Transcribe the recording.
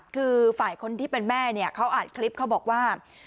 คือฝ่ายคนที่เป็นแม่เนี่ยเขาอัดคลิปเขาบอกว่า